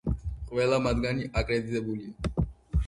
ყველა მათგანი აკრედიტებულია.